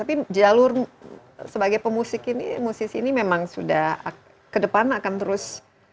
tapi jalur sebagai pemusik ini musisi ini memang sudah ke depan akan terus